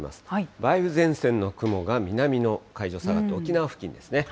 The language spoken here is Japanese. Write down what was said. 梅雨前線の雲が南の海上に下がって、沖縄付近ですね。